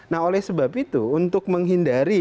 nah oleh sebab itu untuk menghindari